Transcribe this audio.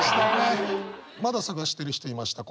まだ探してる人いました。